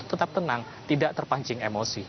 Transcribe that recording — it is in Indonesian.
tetap tenang tidak terpancing emosi